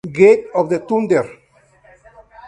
Gate of Thunder